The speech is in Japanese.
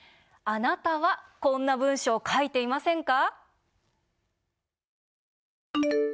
あなたはこんな文章、書いていませんか？